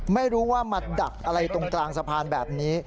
ไม่รู้ว่ามาดักอะไรตรงกลางสะพานแบบนี้